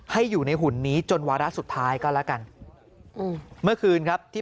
ให้อยู่ในหุ่นนี้จนวาระสุดท้ายก็แล้วกันอืมเมื่อคืนครับที่